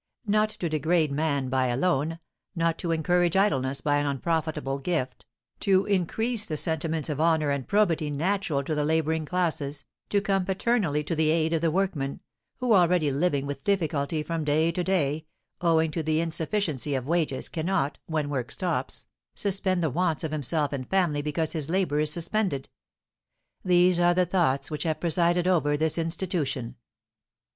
Not to degrade man by a loan, not to encourage idleness by an unprofitable gift, to increase the sentiments of honour and probity natural to the labouring classes, to come paternally to the aid of the workman, who, already living with difficulty from day to day, owing to the insufficiency of wages, cannot, when work stops, suspend the wants of himself and family because his labour is suspended, these are the thoughts which have presided over this institution.